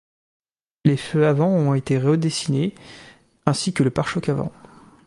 Les feux avants ont été redessinés ainsi que le pare-choc avant.